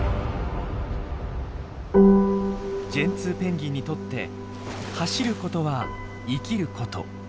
ジェンツーペンギンにとって走ることは生きること。